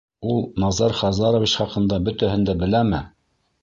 Ул Назар Хазарович хаҡында бөтәһен дә беләме?